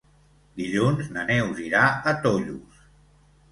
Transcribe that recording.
Dilluns na Neus irà a Tollos.